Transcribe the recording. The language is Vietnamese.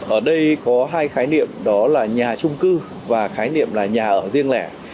ở đây có hai khái niệm đó là nhà trung cư và khái niệm là nhà ở riêng lẻ